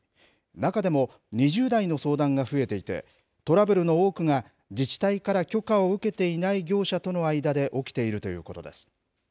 中でも２０代の相談が増えていてトラブルの多くが自治体から許可を受けていない業者との間で起きているということです。